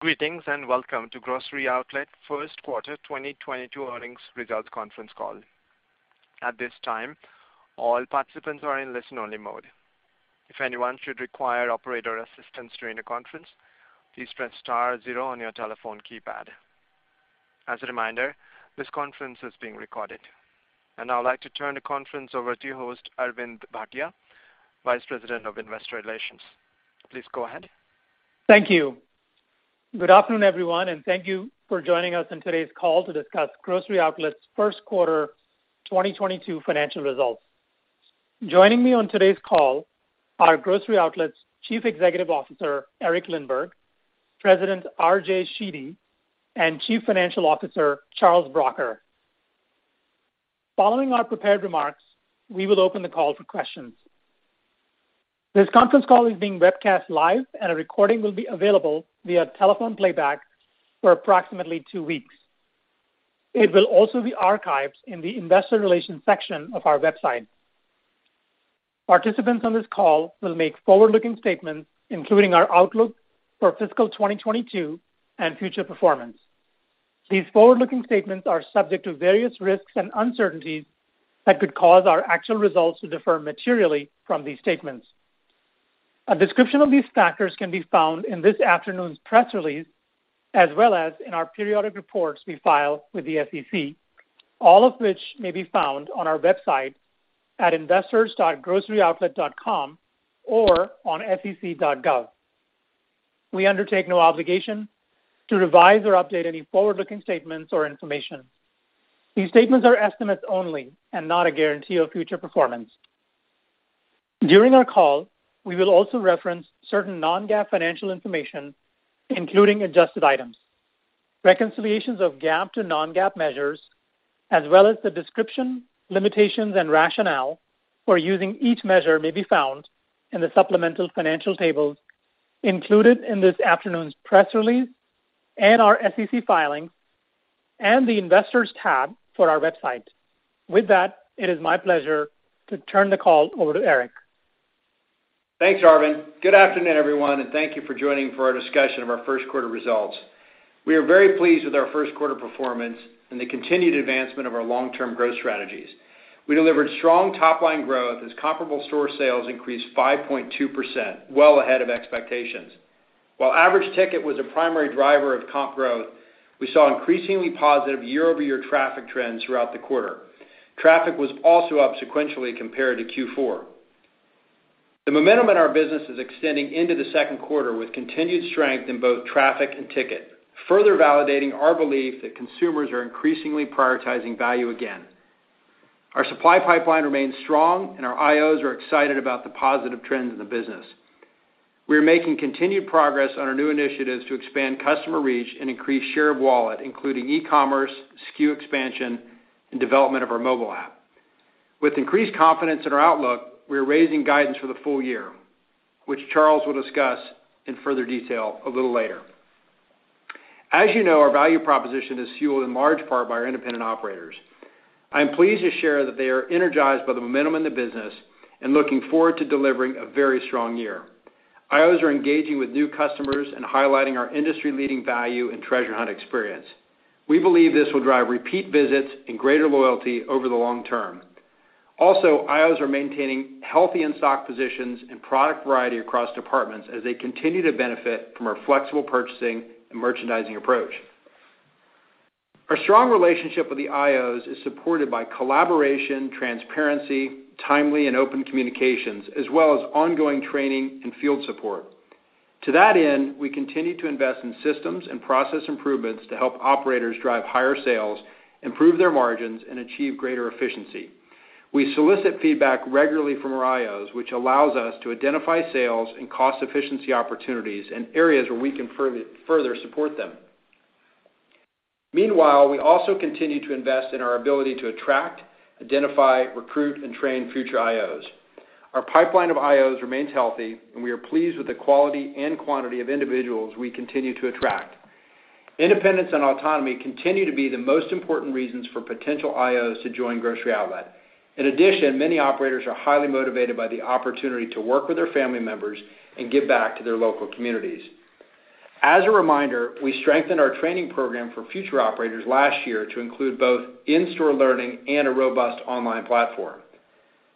Greetings, and welcome to Grocery Outlet first quarter 2022 earnings results conference call. At this time, all participants are in listen-only mode. If anyone should require operator assistance during the conference, please press star zero on your telephone keypad. As a reminder, this conference is being recorded. Now I'd like to turn the conference over to your host, Arvind Bhatia, Vice President of Investor Relations. Please go ahead. Thank you. Good afternoon, everyone, and thank you for joining us on today's call to discuss Grocery Outlet's first quarter 2022 financial results. Joining me on today's call are Grocery Outlet's Chief Executive Officer, Eric Lindberg, President RJ Sheedy, and Chief Financial Officer, Charles Bracher. Following our prepared remarks, we will open the call for questions. This conference call is being webcast live and a recording will be available via telephone playback for approximately two weeks. It will also be archived in the investor relations section of our website. Participants on this call will make forward-looking statements, including our outlook for fiscal 2022 and future performance. These forward-looking statements are subject to various risks and uncertainties that could cause our actual results to differ materially from these statements. A description of these factors can be found in this afternoon's press release, as well as in our periodic reports we file with the SEC, all of which may be found on our website at investors.groceryoutlet.com or on sec.gov. We undertake no obligation to revise or update any forward-looking statements or information. These statements are estimates only and not a guarantee of future performance. During our call, we will also reference certain non-GAAP financial information, including adjusted items. Reconciliations of GAAP to non-GAAP measures, as well as the description, limitations, and rationale for using each measure may be found in the supplemental financial tables included in this afternoon's press release and our SEC filings, and the Investors tab for our website. With that, it is my pleasure to turn the call over to Eric. Thanks, Arvind. Good afternoon, everyone, and thank you for joining for our discussion of our first quarter results. We are very pleased with our first quarter performance and the continued advancement of our long-term growth strategies. We delivered strong top line growth as comparable store sales increased 5.2%, well ahead of expectations. While average ticket was a primary driver of comp growth, we saw increasingly positive year-over-year traffic trends throughout the quarter. Traffic was also up sequentially compared to Q4. The momentum in our business is extending into the second quarter with continued strength in both traffic and ticket, further validating our belief that consumers are increasingly prioritizing value again. Our supply pipeline remains strong and our IOs are excited about the positive trends in the business. We're making continued progress on our new initiatives to expand customer reach and increase share of wallet, including e-commerce, SKU expansion, and development of our mobile app. With increased confidence in our outlook, we're raising guidance for the full year, which Charles will discuss in further detail a little later. As you know, our value proposition is fueled in large part by our independent operators. I am pleased to share that they are energized by the momentum in the business and looking forward to delivering a very strong year. IOs are engaging with new customers and highlighting our industry-leading value and treasure hunt experience. We believe this will drive repeat visits and greater loyalty over the long term. Also, IOs are maintaining healthy in-stock positions and product variety across departments as they continue to benefit from our flexible purchasing and merchandising approach. Our strong relationship with the IOs is supported by collaboration, transparency, timely and open communications, as well as ongoing training and field support. To that end, we continue to invest in systems and process improvements to help operators drive higher sales, improve their margins, and achieve greater efficiency. We solicit feedback regularly from our IOs, which allows us to identify sales and cost efficiency opportunities in areas where we can further support them. Meanwhile, we also continue to invest in our ability to attract, identify, recruit, and train future IOs. Our pipeline of IOs remains healthy, and we are pleased with the quality and quantity of individuals we continue to attract. Independence and autonomy continue to be the most important reasons for potential IOs to join Grocery Outlet. In addition, many operators are highly motivated by the opportunity to work with their family members and give back to their local communities. As a reminder, we strengthened our training program for future operators last year to include both in-store learning and a robust online platform.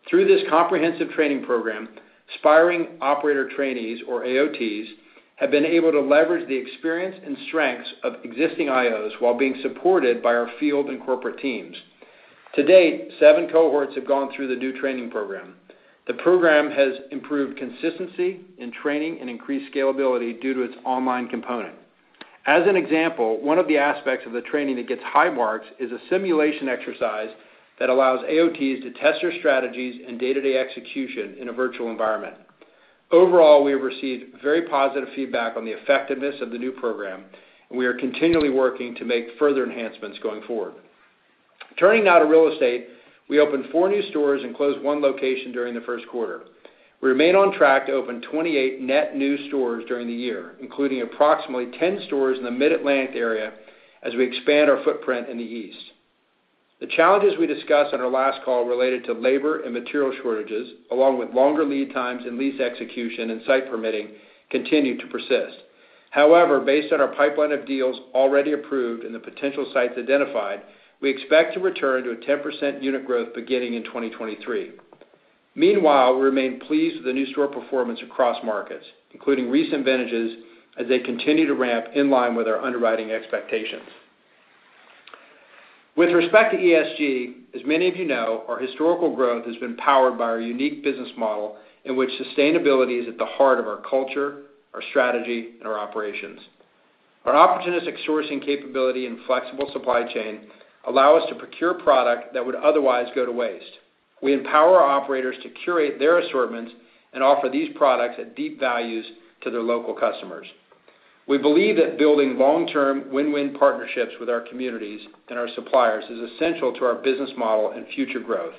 Through this comprehensive training program, aspiring operator trainees, or AOTs, have been able to leverage the experience and strengths of existing IOs while being supported by our field and corporate teams. To date, seven cohorts have gone through the new training program. The program has improved consistency in training and increased scalability due to its online component. As an example, one of the aspects of the training that gets high marks is a simulation exercise that allows AOTs to test their strategies and day-to-day execution in a virtual environment. Overall, we have received very positive feedback on the effectiveness of the new program, and we are continually working to make further enhancements going forward. Turning now to real estate, we opened 4 new stores and closed 1 location during the first quarter. We remain on track to open 28 net new stores during the year, including approximately 10 stores in the Mid-Atlantic area as we expand our footprint in the east. The challenges we discussed on our last call related to labor and material shortages, along with longer lead times in lease execution and site permitting, continue to persist. However, based on our pipeline of deals already approved and the potential sites identified, we expect to return to a 10% unit growth beginning in 2023. Meanwhile, we remain pleased with the new store performance across markets, including recent vintages as they continue to ramp in line with our underwriting expectations. With respect to ESG, as many of you know, our historical growth has been powered by our unique business model in which sustainability is at the heart of our culture, our strategy, and our operations. Our opportunistic sourcing capability and flexible supply chain allow us to procure product that would otherwise go to waste. We empower our operators to curate their assortments and offer these products at deep values to their local customers. We believe that building long term win-win partnerships with our communities and our suppliers is essential to our business model and future growth.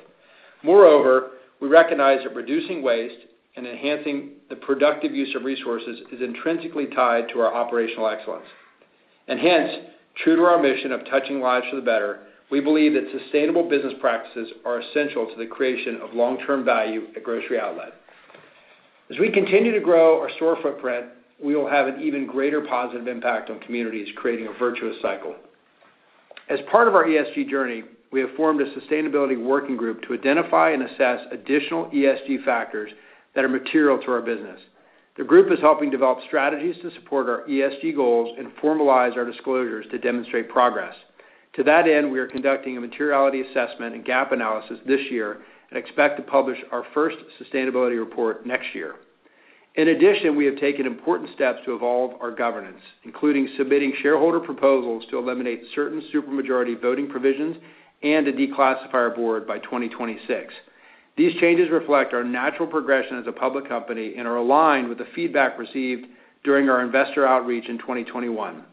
Moreover, we recognize that reducing waste and enhancing the productive use of resources is intrinsically tied to our operational excellence. Hence, true to our mission of touching lives for the better, we believe that sustainable business practices are essential to the creation of long-term value at Grocery Outlet. As we continue to grow our store footprint, we will have an even greater positive impact on communities, creating a virtuous cycle. As part of our ESG journey, we have formed a sustainability working group to identify and assess additional ESG factors that are material to our business. The group is helping develop strategies to support our ESG goals and formalize our disclosures to demonstrate progress. To that end, we are conducting a materiality assessment and gap analysis this year and expect to publish our first sustainability report next year. In addition, we have taken important steps to evolve our governance, including submitting shareholder proposals to eliminate certain supermajority voting provisions and to declassify our board by 2026. These changes reflect our natural progression as a public company and are aligned with the feedback received during our investor outreach in 2021.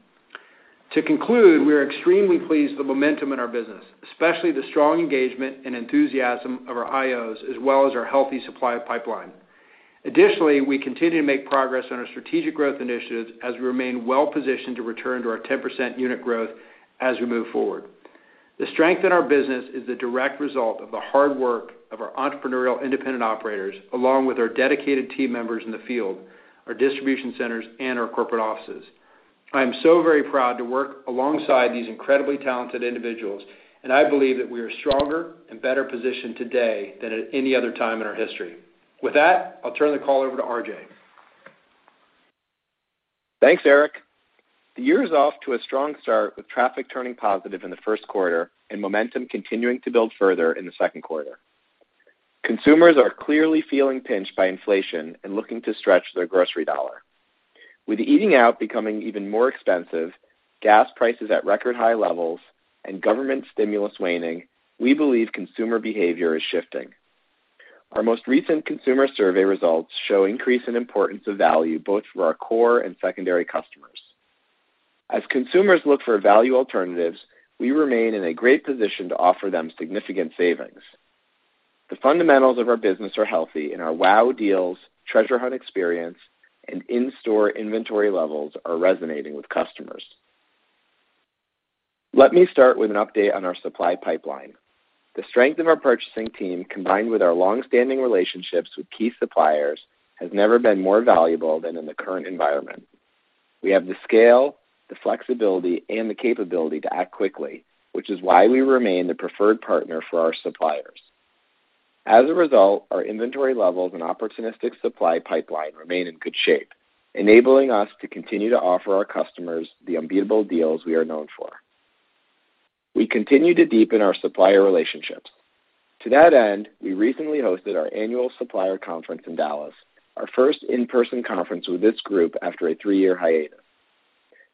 To conclude, we are extremely pleased with the momentum in our business, especially the strong engagement and enthusiasm of our IOs as well as our healthy supply pipeline. Additionally, we continue to make progress on our strategic growth initiatives as we remain well positioned to return to our 10% unit growth as we move forward. The strength in our business is the direct result of the hard work of our entrepreneurial independent operators, along with our dedicated team members in the field, our distribution centers, and our corporate offices. I am so very proud to work alongside these incredibly talented individuals, and I believe that we are stronger and better positioned today than at any other time in our history. With that, I'll turn the call over to RJ. Thanks, Eric. The year is off to a strong start with traffic turning positive in the first quarter and momentum continuing to build further in the second quarter. Consumers are clearly feeling pinched by inflation and looking to stretch their grocery dollar. With eating out becoming even more expensive, gas prices at record high levels and government stimulus waning, we believe consumer behavior is shifting. Our most recent consumer survey results show increase in importance of value both for our core and secondary customers. As consumers look for value alternatives, we remain in a great position to offer them significant savings. The fundamentals of our business are healthy and our wow deals, treasure hunt experience and in-store inventory levels are resonating with customers. Let me start with an update on our supply pipeline. The strength of our purchasing team, combined with our long-standing relationships with key suppliers, has never been more valuable than in the current environment. We have the scale, the flexibility and the capability to act quickly, which is why we remain the preferred partner for our suppliers. As a result, our inventory levels and opportunistic supply pipeline remain in good shape, enabling us to continue to offer our customers the unbeatable deals we are known for. We continue to deepen our supplier relationships. To that end, we recently hosted our annual supplier conference in Dallas, our first in-person conference with this group after a three-year hiatus.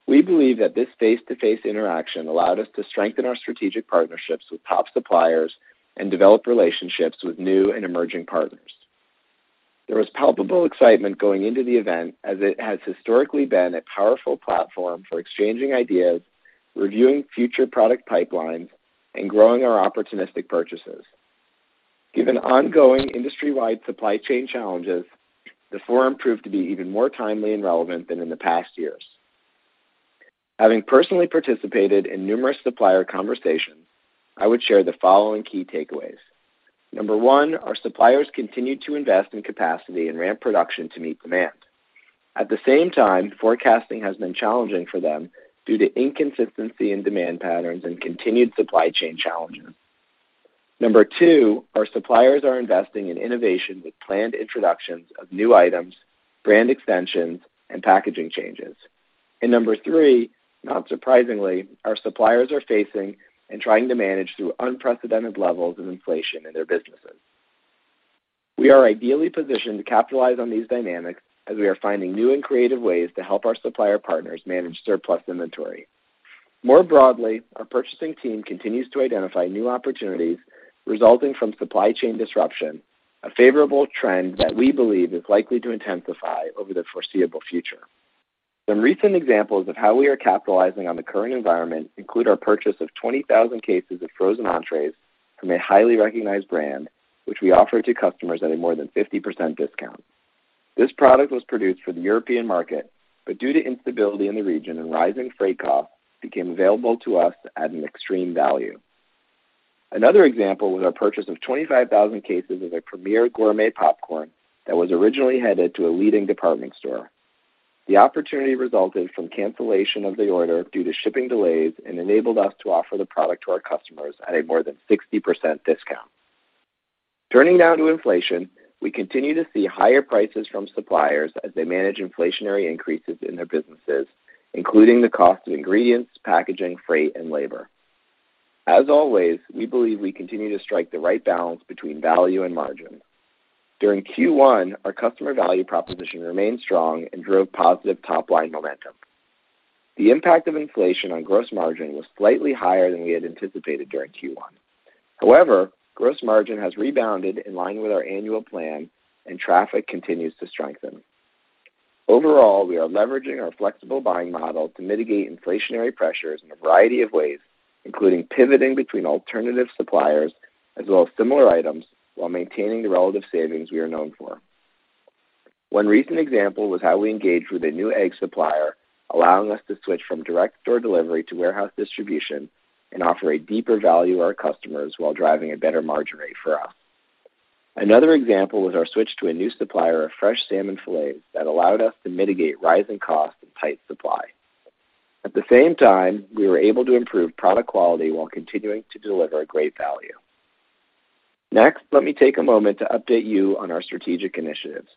We believe that this face-to-face interaction allowed us to strengthen our strategic partnerships with top suppliers and develop relationships with new and emerging partners. There was palpable excitement going into the event as it has historically been a powerful platform for exchanging ideas, reviewing future product pipelines and growing our opportunistic purchases. Given ongoing industry wide supply chain challenges, the forum proved to be even more timely and relevant than in the past years. Having personally participated in numerous supplier conversations, I would share the following key takeaways. Number one, our suppliers continued to invest in capacity and ramp production to meet demand. At the same time, forecasting has been challenging for them due to inconsistency in demand patterns and continued supply chain challenges. Number two, our suppliers are investing in innovation with planned introductions of new items, brand extensions and packaging changes. Number three, not surprisingly, our suppliers are facing and trying to manage through unprecedented levels of inflation in their businesses. We are ideally positioned to capitalize on these dynamics as we are finding new and creative ways to help our supplier partners manage surplus inventory. More broadly, our purchasing team continues to identify new opportunities resulting from supply chain disruption, a favorable trend that we believe is likely to intensify over the foreseeable future. Some recent examples of how we are capitalizing on the current environment include our purchase of 20,000 cases of frozen entrees from a highly recognized brand, which we offer to customers at a more than 50% discount. This product was produced for the European market, but due to instability in the region and rising freight costs, became available to us at an extreme value. Another example was our purchase of 25,000 cases of a premier gourmet popcorn that was originally headed to a leading department store. The opportunity resulted from cancellation of the order due to shipping delays and enabled us to offer the product to our customers at a more than 60% discount. Turning now to inflation. We continue to see higher prices from suppliers as they manage inflationary increases in their businesses, including the cost of ingredients, packaging, freight, and labor. As always, we believe we continue to strike the right balance between value and margin. During Q1, our customer value proposition remained strong and drove positive top-line momentum. The impact of inflation on gross margin was slightly higher than we had anticipated during Q1. However, gross margin has rebounded in line with our annual plan and traffic continues to strengthen. Overall, we are leveraging our flexible buying model to mitigate inflationary pressures in a variety of ways, including pivoting between alternative suppliers as well as similar items while maintaining the relative savings we are known for. One recent example was how we engaged with a new egg supplier, allowing us to switch from direct store delivery to warehouse distribution and offer a deeper value to our customers while driving a better margin rate for us. Another example was our switch to a new supplier of fresh salmon fillets that allowed us to mitigate rising costs and tight supply. At the same time, we were able to improve product quality while continuing to deliver great value. Next, let me take a moment to update you on our strategic initiatives.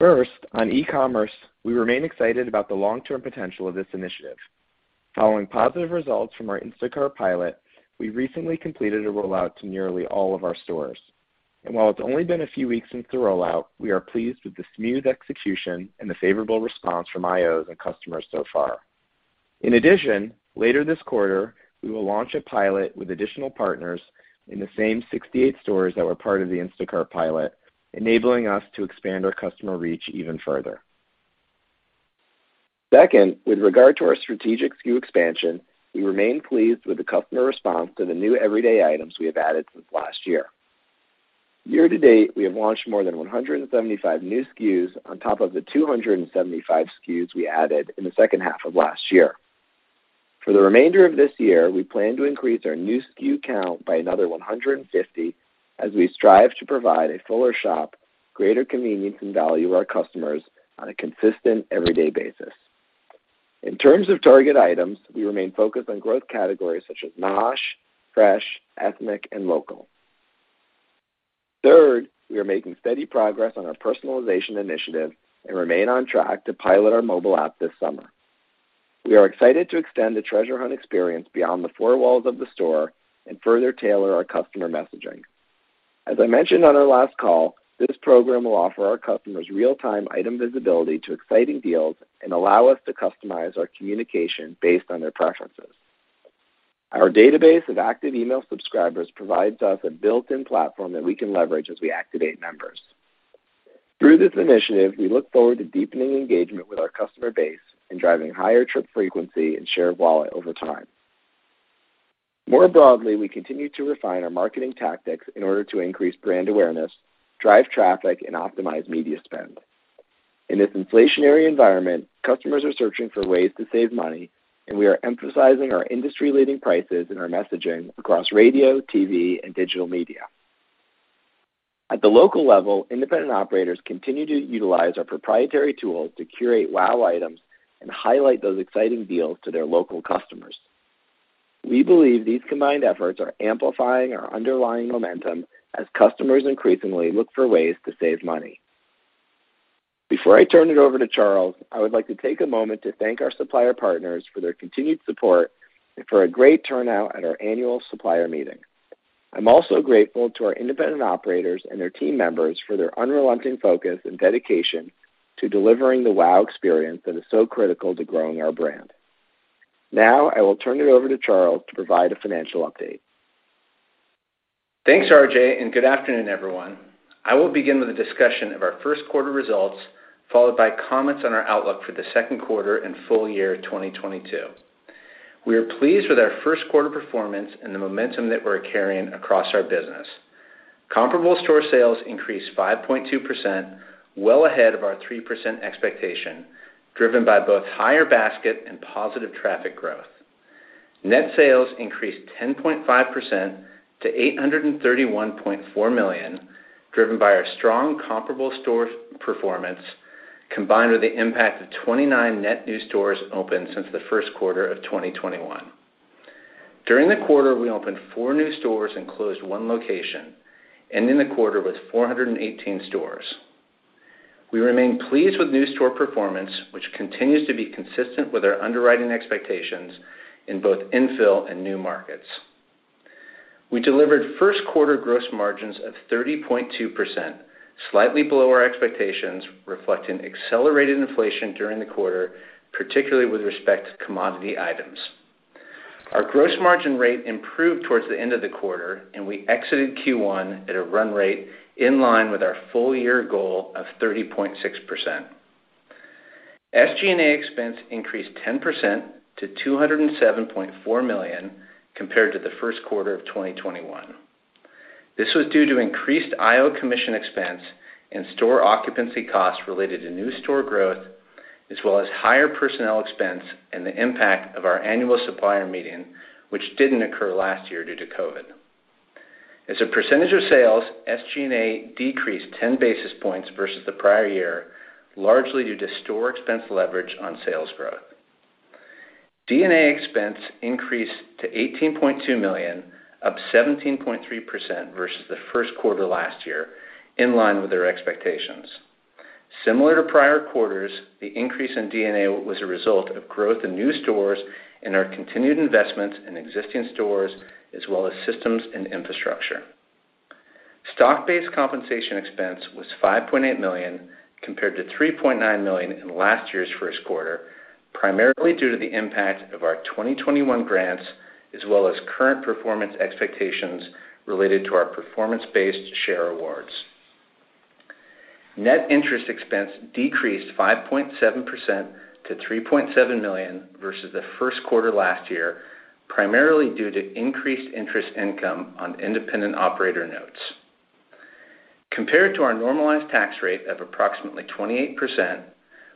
First, on e-commerce, we remain excited about the long-term potential of this initiative. Following positive results from our Instacart pilot, we recently completed a rollout to nearly all of our stores. While it's only been a few weeks since the rollout, we are pleased with the smooth execution and the favorable response from IOs and customers so far. In addition, later this quarter, we will launch a pilot with additional partners in the same 68 stores that were part of the Instacart pilot, enabling us to expand our customer reach even further. Second, with regard to our strategic SKU expansion, we remain pleased with the customer response to the new everyday items we have added since last year. Year to date, we have launched more than 175 new SKUs on top of the 275 SKUs we added in the second half of last year. For the remainder of this year, we plan to increase our new SKU count by another 150 as we strive to provide a fuller shop, greater convenience, and value to our customers on a consistent, everyday basis. In terms of target items, we remain focused on growth categories such as Nosh, fresh, ethnic, and local. Third, we are making steady progress on our personalization initiative and remain on track to pilot our mobile app this summer. We are excited to extend the Treasure Hunt experience beyond the four walls of the store and further tailor our customer messaging. As I mentioned on our last call, this program will offer our customers real-time item visibility to exciting deals and allow us to customize our communication based on their preferences. Our database of active email subscribers provides us a built-in platform that we can leverage as we activate members. Through this initiative, we look forward to deepening engagement with our customer base and driving higher trip frequency and share of wallet over time. More broadly, we continue to refine our marketing tactics in order to increase brand awareness, drive traffic, and optimize media spend. In this inflationary environment, customers are searching for ways to save money, and we are emphasizing our industry-leading prices in our messaging across radio, TV, and digital media. At the local level, independent operators continue to utilize our proprietary tools to curate wow items and highlight those exciting deals to their local customers. We believe these combined efforts are amplifying our underlying momentum as customers increasingly look for ways to save money. Before I turn it over to Charles, I would like to take a moment to thank our supplier partners for their continued support and for a great turnout at our annual supplier meeting. I'm also grateful to our independent operators and their team members for their unrelenting focus and dedication to delivering the wow experience that is so critical to growing our brand. Now, I will turn it over to Charles to provide a financial update. Thanks, RJ, and good afternoon, everyone. I will begin with a discussion of our first quarter results, followed by comments on our outlook for the second quarter and full year 2022. We are pleased with our first quarter performance and the momentum that we're carrying across our business. Comparable store sales increased 5.2%, well ahead of our 3% expectation, driven by both higher basket and positive traffic growth. Net sales increased 10.5% to $831.4 million, driven by our strong comparable store performance, combined with the impact of 29 net new stores opened since the first quarter of 2021. During the quarter, we opened 4 new stores and closed 1 location, ending the quarter with 418 stores. We remain pleased with new store performance, which continues to be consistent with our underwriting expectations in both infill and new markets. We delivered first quarter gross margins of 30.2%, slightly below our expectations, reflecting accelerated inflation during the quarter, particularly with respect to commodity items. Our gross margin rate improved towards the end of the quarter, and we exited Q1 at a run rate in line with our full year goal of 30.6%. SG&A expense increased 10% to $207.4 million compared to the first quarter of 2021. This was due to increased IO commission expense and store occupancy costs related to new store growth, as well as higher personnel expense and the impact of our annual supplier meeting, which didn't occur last year due to COVID. As a percentage of sales, SG&A decreased 10 basis points versus the prior year, largely due to store expense leverage on sales growth. D&A expense increased to $18.2 million, up 17.3% versus the first quarter last year, in line with their expectations. Similar to prior quarters, the increase in D&A was a result of growth in new stores and our continued investments in existing stores as well as systems and infrastructure. Stock-based compensation expense was $5.8 million compared to $3.9 million in last year's first quarter, primarily due to the impact of our 2021 grants as well as current performance expectations related to our performance-based share awards. Net interest expense decreased 5.7% to $3.7 million versus the first quarter last year, primarily due to increased interest income on independent operator notes. Compared to our normalized tax rate of approximately 28%,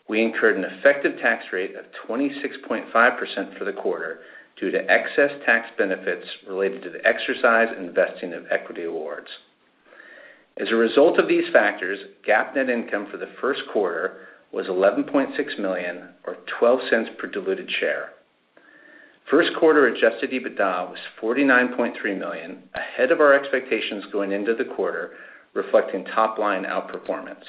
we incurred an effective tax rate of 26.5% for the quarter due to excess tax benefits related to the exercise and vesting of equity awards. As a result of these factors, GAAP net income for the first quarter was $11.6 million or $0.12 per diluted share. First quarter adjusted EBITDA was $49.3 million, ahead of our expectations going into the quarter, reflecting top-line outperformance.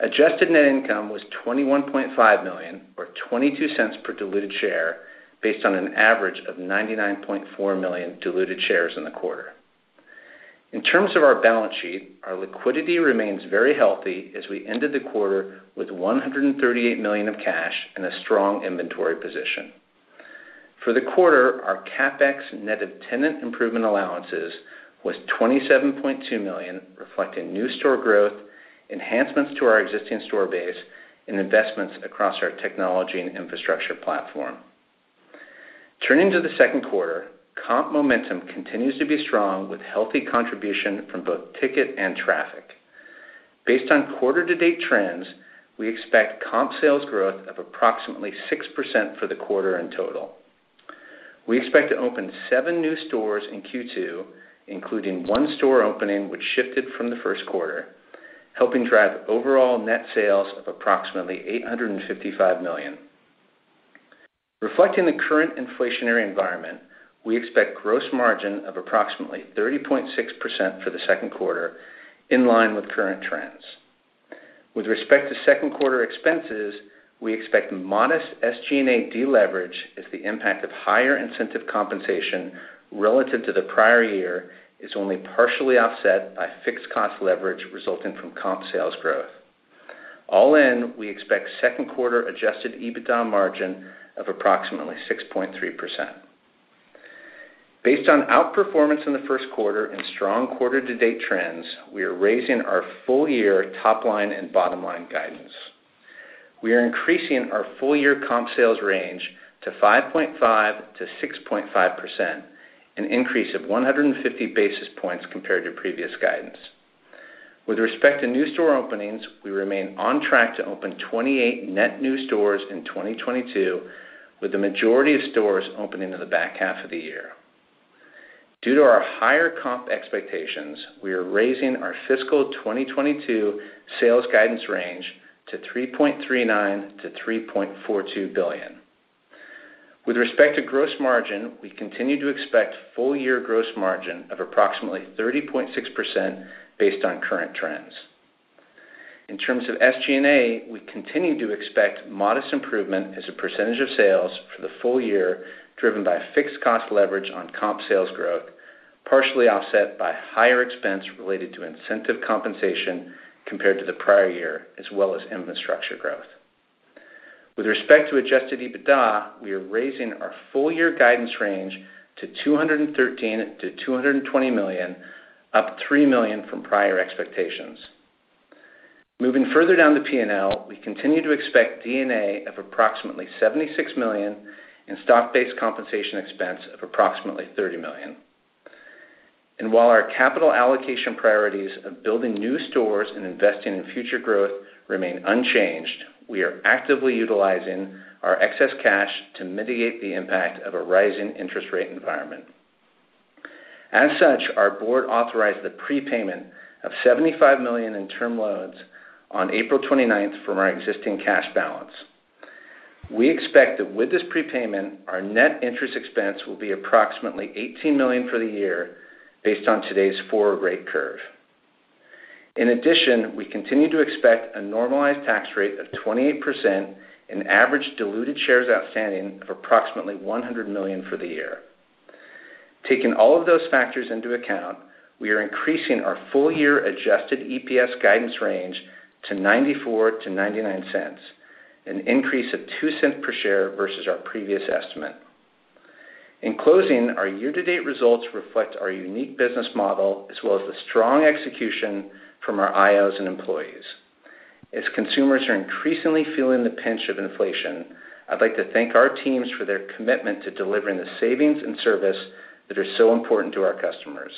Adjusted net income was $21.5 million or $0.22 per diluted share based on an average of 99.4 million diluted shares in the quarter. In terms of our balance sheet, our liquidity remains very healthy as we ended the quarter with $138 million of cash and a strong inventory position. For the quarter, our CapEx net of tenant improvement allowances was $27.2 million, reflecting new store growth, enhancements to our existing store base, and investments across our technology and infrastructure platform. Turning to the second quarter, comp momentum continues to be strong with healthy contribution from both ticket and traffic. Based on quarter to date trends, we expect comp sales growth of approximately 6% for the quarter in total. We expect to open 7 new stores in Q2, including 1 store opening which shifted from the first quarter, helping drive overall net sales of approximately $855 million. Reflecting the current inflationary environment, we expect gross margin of approximately 30.6% for the second quarter, in line with current trends. With respect to second quarter expenses, we expect modest SG&A deleverage as the impact of higher incentive compensation relative to the prior year is only partially offset by fixed cost leverage resulting from comp sales growth. All in, we expect second quarter adjusted EBITDA margin of approximately 6.3%. Based on outperformance in the first quarter and strong quarter to date trends, we are raising our full year top line and bottom line guidance. We are increasing our full year comp sales range to 5.5%-6.5%, an increase of 150 basis points compared to previous guidance. With respect to new store openings, we remain on track to open 28 net new stores in 2022, with the majority of stores opening in the back half of the year. Due to our higher comp expectations, we are raising our fiscal 2022 sales guidance range to $3.39 billion-$3.42 billion. With respect to gross margin, we continue to expect full-year gross margin of approximately 30.6% based on current trends. In terms of SG&A, we continue to expect modest improvement as a percentage of sales for the full year, driven by fixed cost leverage on comp sales growth, partially offset by higher expense related to incentive compensation compared to the prior year as well as infrastructure growth. With respect to adjusted EBITDA, we are raising our full-year guidance range to $213 million-$220 million, up $3 million from prior expectations. Moving further down the P&L, we continue to expect D&A of approximately $76 million and stock-based compensation expense of approximately $30 million. While our capital allocation priorities of building new stores and investing in future growth remain unchanged, we are actively utilizing our excess cash to mitigate the impact of a rising interest rate environment. As such, our board authorized the prepayment of $75 million in term loans on April 29th from our existing cash balance. We expect that with this prepayment, our net interest expense will be approximately $18 million for the year based on today's forward rate curve. In addition, we continue to expect a normalized tax rate of 28% and average diluted shares outstanding of approximately 100 million for the year. Taking all of those factors into account, we are increasing our full year adjusted EPS guidance range to $0.94-$0.99, an increase of $0.02 per share versus our previous estimate. In closing, our year-to-date results reflect our unique business model as well as the strong execution from our IOs and employees. As consumers are increasingly feeling the pinch of inflation, I'd like to thank our teams for their commitment to delivering the savings and service that are so important to our customers.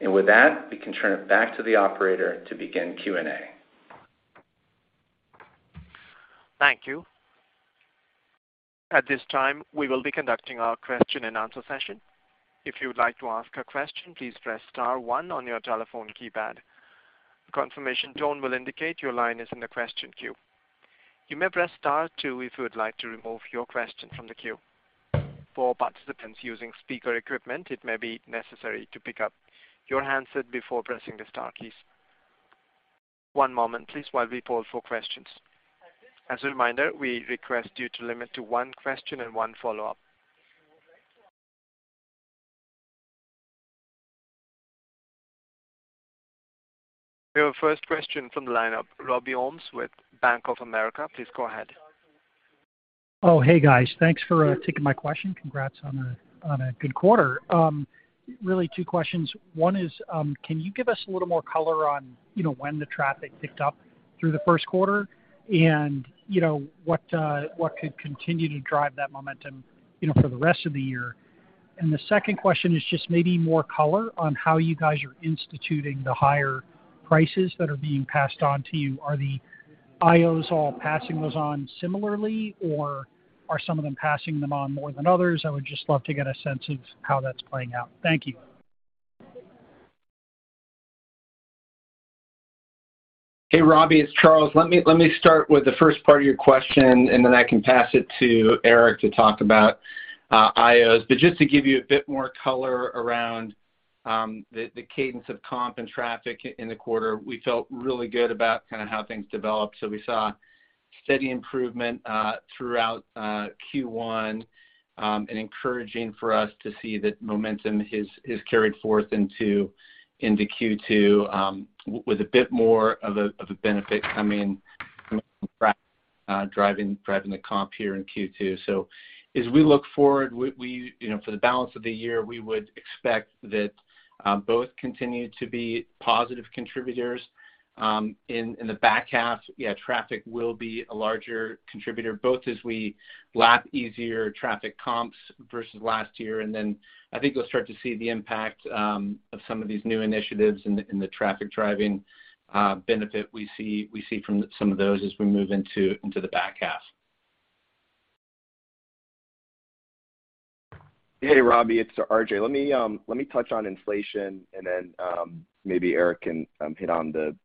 With that, we can turn it back to the operator to begin Q&A. Thank you. At this time, we will be conducting our question-and-answer session. If you would like to ask a question, please press star one on your telephone keypad. A confirmation tone will indicate your line is in the question queue. You may press star two if you would like to remove your question from the queue. For participants using speaker equipment, it may be necessary to pick up your handset before pressing the star keys. One moment please while we poll for questions. As a reminder, we request you to limit to one question and one follow-up. We have our first question from the line of Robert Ohmes with Bank of America. Please go ahead. Oh, hey, guys. Thanks for taking my question. Congrats on a good quarter. Really two questions. One is, can you give us a little more color on when the traffic picked up through the first quarter and what could continue to drive that momentum for the rest of the year? The second question is just maybe more color on how you guys are instituting the higher prices that are being passed on to you. Are the IOs all passing those on similarly or are some of them passing them on more than others? I would just love to get a sense of how that's playing out. Thank you. Hey, Robbie, it's Charles. Let me start with the first part of your question, and then I can pass it to Eric to talk about IOs. Just to give you a bit more color around the cadence of comp and traffic in the quarter, we felt really good about kind of how things developed. We saw steady improvement throughout Q1, and encouraging for us to see that momentum is carried forth into Q2 with a bit more of a benefit coming from traffic driving the comp here in Q2. As we look forward, we you know for the balance of the year, we would expect that both continue to be positive contributors. In the back half, yeah, traffic will be a larger contributor, both as we lap easier traffic comps versus last year. Then I think you'll start to see the impact of some of these new initiatives in the traffic driving benefit we see from some of those as we move into the back half. Hey, Robbie, it's RJ. Let me touch on inflation and then maybe Eric can hit on the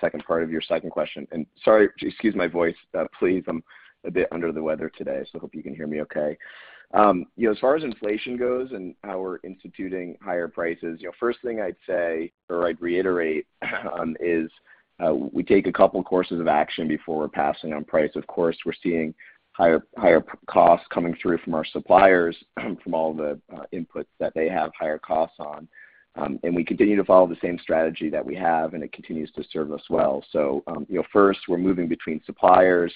second part of your second question. Sorry, excuse my voice, please. I'm a bit under the weather today, so hope you can hear me okay. You know, as far as inflation goes and how we're instituting higher prices first thing I'd say or I'd reiterate is we take a couple courses of action before passing on price. Of course, we're seeing higher costs coming through from our suppliers from all the inputs that they have higher costs on. We continue to follow the same strategy that we have, and it continues to serve us well. You know, first, we're moving between suppliers.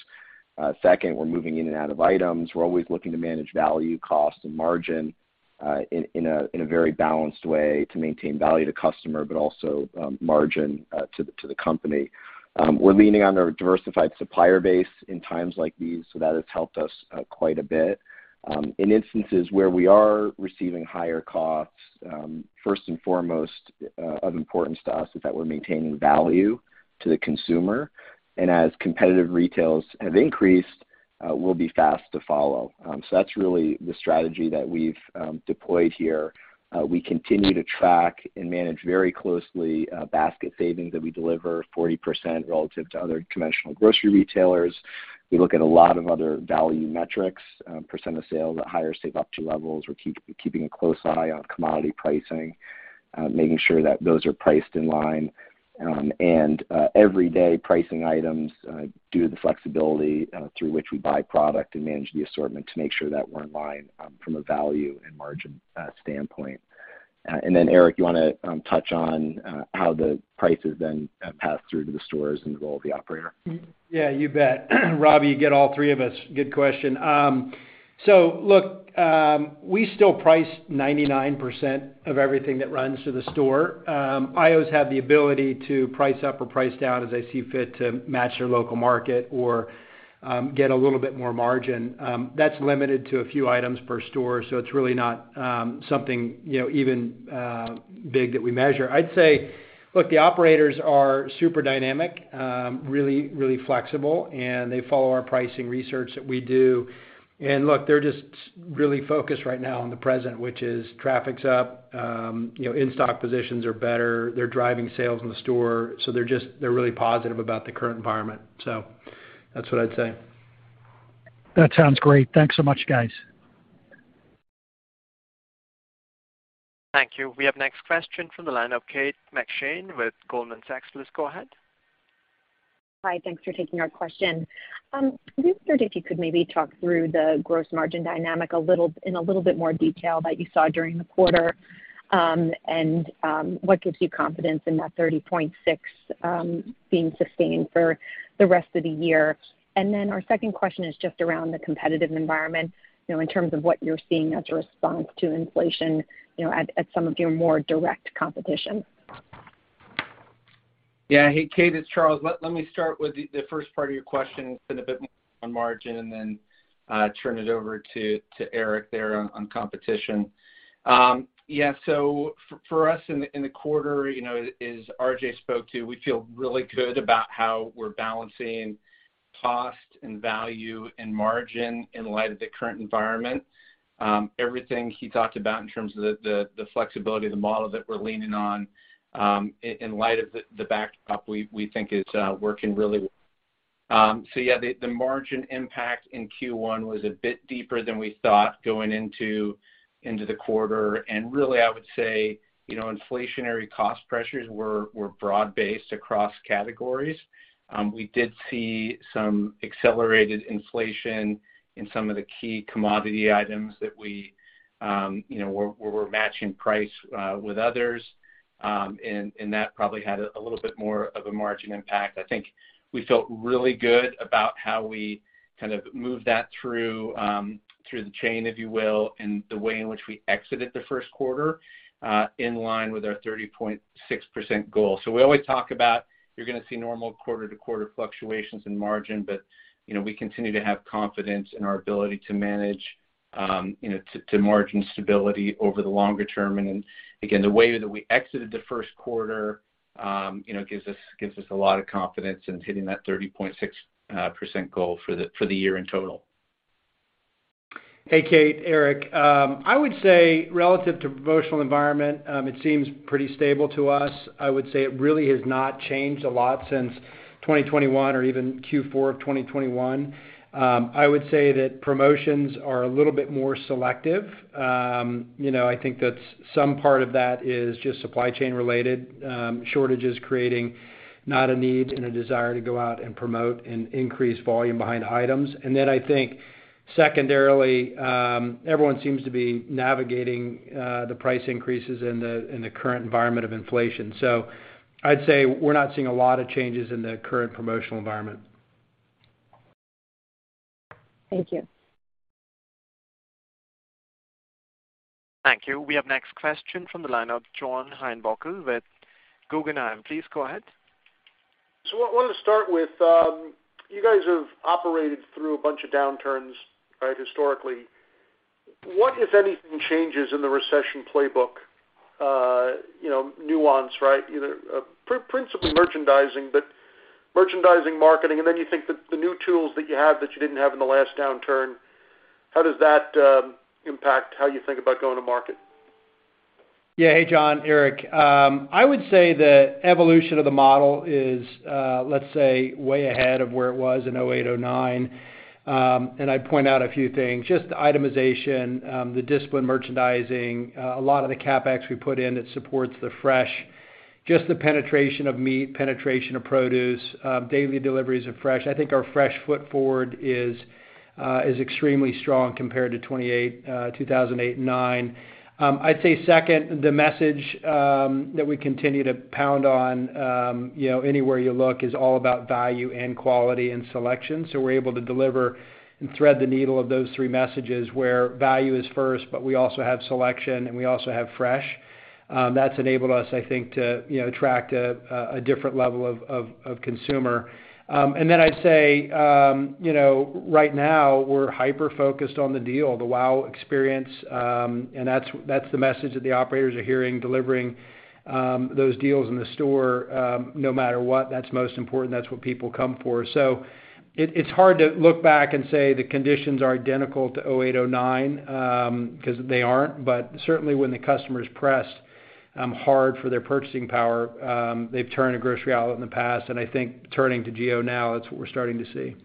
Second, we're moving in and out of items. We're always looking to manage value, cost, and margin, in a very balanced way to maintain value to customer, but also, margin, to the company. We're leaning on our diversified supplier base in times like these, so that has helped us, quite a bit. In instances where we are receiving higher costs, first and foremost, of importance to us is that we're maintaining value to the consumer. As competitive retail has increased, we'll be fast to follow. That's really the strategy that we've deployed here. We continue to track and manage very closely, basket savings that we deliver 40% relative to other conventional grocery retailers. We look at a lot of other value metrics, percent of sales at higher Save Up to levels. We're keeping a close eye on commodity pricing, making sure that those are priced in line. Every day pricing items due to the flexibility through which we buy product and manage the assortment to make sure that we're in line from a value and margin standpoint. Eric, you wanna touch on how the prices then pass through to the stores and the role of the operator? Yeah, you bet. Robbie, you get all three of us. Good question. Look, we still price 99% of everything that runs through the store. IOs have the ability to price up or price down as they see fit to match their local market or get a little bit more margin. That's limited to a few items per store, so it's really not something even big that we measure. I'd say, look, the operators are super dynamic, really, really flexible, and they follow our pricing research that we do. Look, they're just really focused right now on the present, which is traffic's up in-stock positions are better. They're driving sales in the store. They're just really positive about the current environment. That's what I'd say. That sounds great. Thanks so much, guys. Thank you. We have next question from the line of Kate McShane with Goldman Sachs. Please go ahead. Hi. Thanks for taking our question. We wondered if you could maybe talk through the gross margin dynamic a little in a little bit more detail that you saw during the quarter, and what gives you confidence in that 30.6% being sustained for the rest of the year. Our second question is just around the competitive environment in terms of what you're seeing as a response to inflation at some of your more direct competition. Yeah. Hey, Kate, it's Charles. Let me start with the first part of your question and spend a bit more on margin and then turn it over to Eric there on competition. Yeah, so for us in the quarter as RJ spoke to, we feel really good about how we're balancing cost and value and margin in light of the current environment. Everything he talked about in terms of the flexibility of the model that we're leaning on in light of the backdrop we think is working really. Yeah, the margin impact in Q1 was a bit deeper than we thought going into the quarter. Really, I would say inflationary cost pressures were broad-based across categories. We did see some accelerated inflation in some of the key commodity items that we, where we're matching price with others. And that probably had a little bit more of a margin impact. I think we felt really good about how we kind of moved that through the chain, if you will, and the way in which we exited the first quarter in line with our 30.6% goal. We always talk about you're gonna see normal quarter-to-quarter fluctuations in margin, but we continue to have confidence in our ability to manage to margin stability over the longer term. The way that we exited the first quarter gives us a lot of confidence in hitting that 30.6% goal for the year in total. Hey, Kate, Eric. I would say relative to promotional environment, it seems pretty stable to us. I would say it really has not changed a lot since 2021 or even Q4 of 2021. I would say that promotions are a little bit more selective. You know, I think some part of that is just supply chain related, shortages creating not a need and a desire to go out and promote and increase volume behind items. And then I think secondarily, everyone seems to be navigating the price increases in the current environment of inflation. I'd say we're not seeing a lot of changes in the current promotional environment. Thank you. Thank you. We have next question from the line of John Heinbockel with Guggenheim. Please go ahead. What I wanna start with, you guys have operated through a bunch of downturns, right, historically. What, if anything, changes in the recession playbook nuance, right? Either principle merchandising, but merchandising, marketing, and then you think the new tools that you have that you didn't have in the last downturn, how does that impact how you think about going to market? Yeah. Hey, John, Eric. I would say the evolution of the model is, let's say, way ahead of where it was in 2008, 2009. I'd point out a few things, just the itemization, the disciplined merchandising, a lot of the CapEx we put in that supports the fresh, just the penetration of meat, penetration of produce, daily deliveries of fresh. I think our fresh foot forward is extremely strong compared to 2008 and 2009. I'd say second, the message that we continue to pound on, anywhere you look is all about value and quality and selection. We're able to deliver and thread the needle of those three messages where value is first, but we also have selection, and we also have fresh. That's enabled us, I think, to attract a different level of consumer. And then I'd say right now we're hyper-focused on the deal, the wow experience, and that's the message that the operators are hearing, delivering those deals in the store. No matter what, that's most important. That's what people come for. It's hard to look back and say the conditions are identical to 2008, 2009, 'cause they aren't. Certainly when the customer is pressed hard for their purchasing power, they've turned to Grocery Outlet in the past, and I think turning to GO now, that's what we're starting to see.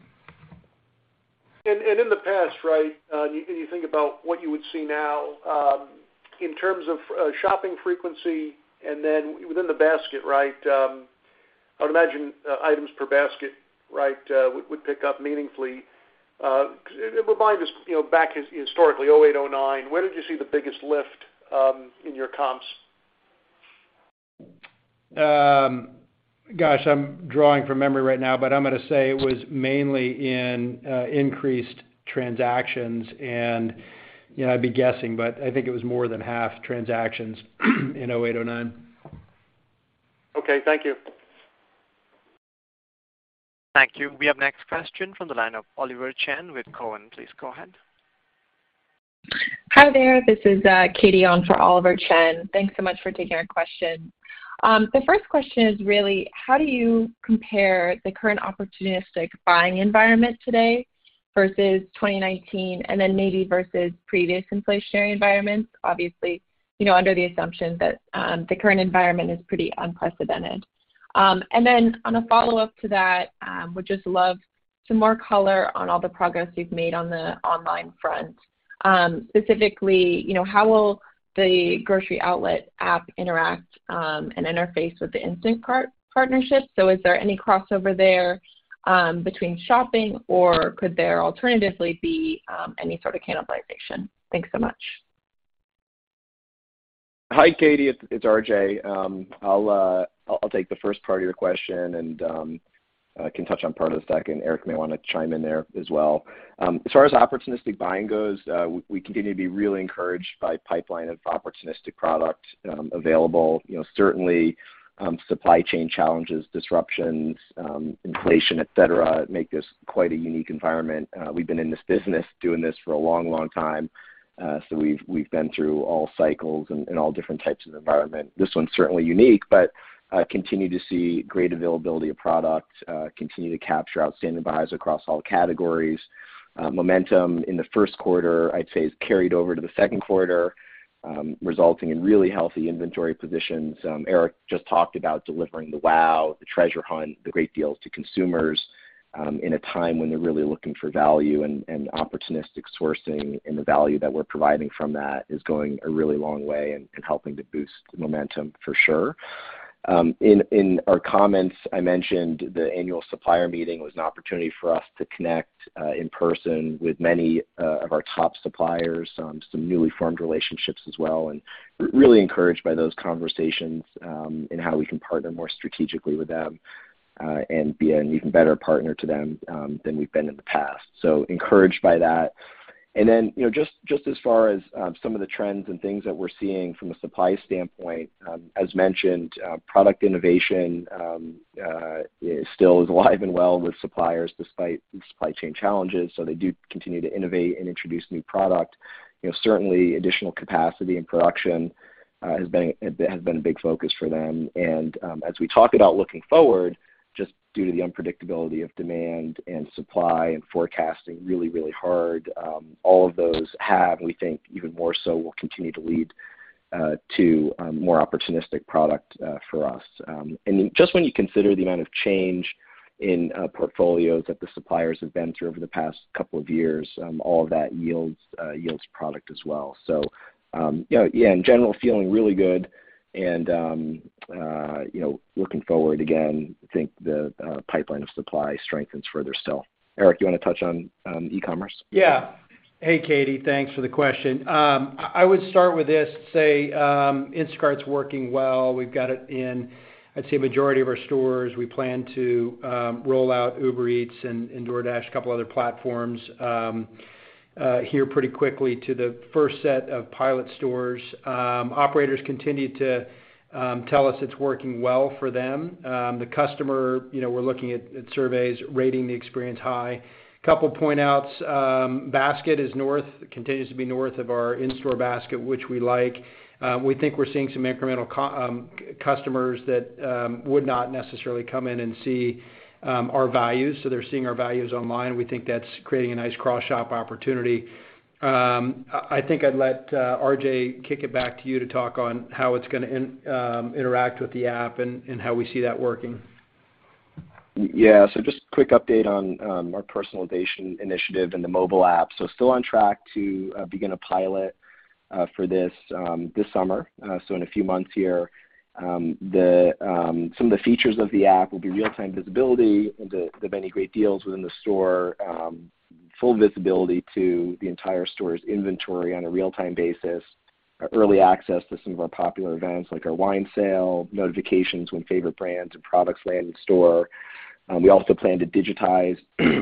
In the past, right, and you think about what you would see now, in terms of shopping frequency and then within the basket, right, I would imagine items per basket, right, would pick up meaningfully. Remind us back historically, 2008, 2009, where did you see the biggest lift in your comps? Gosh, I'm drawing from memory right now, but I'm gonna say it was mainly in increased transactions and I'd be guessing, but I think it was more than half transactions in 2008, 2009. Okay, thank you. Thank you. We have next question from the line of Oliver Chen with Cowen. Please go ahead. Hi there. This is Katie on for Oliver Chen. Thanks so much for taking our question. The first question is really how do you compare the current opportunistic buying environment today versus 2019 and then maybe versus previous inflationary environments? Obviously under the assumption that the current environment is pretty unprecedented. On a follow-up to that, would just love some more color on all the progress you've made on the online front. Specifically how will the Grocery Outlet app interact and interface with the Instacart partnership? Is there any crossover there between shopping, or could there alternatively be any sort of cannibalization? Thanks so much. Hi, Katie, it's RJ. I'll take the first part of your question and I can touch on part of the stack, and Eric may want to chime in there as well. As far as opportunistic buying goes, we continue to be really encouraged by pipeline of opportunistic products, available. You know, certainly, supply chain challenges, disruptions, inflation, et cetera, make this quite a unique environment. We've been in this business doing this for a long, long time, so we've been through all cycles and all different types of environment. This one's certainly unique, but continue to see great availability of product, continue to capture outstanding buyers across all categories. Momentum in the first quarter I'd say has carried over to the second quarter, resulting in really healthy inventory positions. Eric just talked about delivering the wow, the treasure hunt, the great deals to consumers, in a time when they're really looking for value and opportunistic sourcing, and the value that we're providing from that is going a really long way in helping to boost momentum for sure. In our comments, I mentioned the annual supplier meeting was an opportunity for us to connect in person with many of our top suppliers, some newly formed relationships as well, and we're really encouraged by those conversations in how we can partner more strategically with them, and be an even better partner to them than we've been in the past. Encouraged by that. You know, just as far as some of the trends and things that we're seeing from a supply standpoint, as mentioned, product innovation is still alive and well with suppliers despite the supply chain challenges, so they do continue to innovate and introduce new product. You know, certainly additional capacity and production has been a big focus for them. As we talk about looking forward, just due to the unpredictability of demand and supply and forecasting really hard, all of those have, we think even more so, will continue to lead to more opportunistic product for us. Just when you consider the amount of change in portfolios that the suppliers have been through over the past couple of years, all of that yields product as well. Yeah, in general, feeling really good and looking forward, again, think the pipeline of supply strengthens further still. Eric, you wanna touch on e-commerce? Yeah. Hey, Katie. Thanks for the question. I would start with this, say, Instacart's working well. We've got it in, I'd say, majority of our stores. We plan to roll out Uber Eats and DoorDash, a couple other platforms, here pretty quickly to the first set of pilot stores. Operators continue to tell us it's working well for them. The customer we're looking at surveys rating the experience high. Couple point outs, basket continues to be north of our in-store basket, which we like. We think we're seeing some incremental customers that would not necessarily come in and see our values, so they're seeing our values online. We think that's creating a nice cross-shop opportunity. I think I'd let RJ kick it back to you to talk on how it's gonna interact with the app and how we see that working. Yeah. Just quick update on our personalization initiative and the mobile app. Still on track to begin a pilot for this summer, so in a few months here. Some of the features of the app will be real-time visibility into the many great deals within the store, full visibility to the entire store's inventory on a real-time basis, early access to some of our popular events like our wine sale, notifications when favorite brands and products land in store. We also plan to digitize